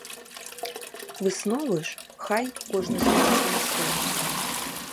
Высновы ж хай кожны зробіць самастойна.